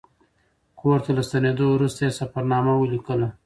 کور ته له ستنېدو وروسته یې سفرنامه ولیکله.